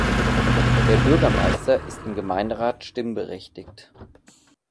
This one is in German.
Der Bürgermeister ist im Gemeinderat stimmberechtigt.